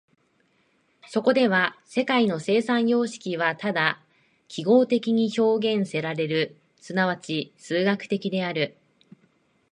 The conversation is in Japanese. そこでは世界の生産様式はただ記号的に表現せられる、即ち数学的である。